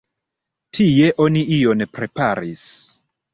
Tie oni ion preparis.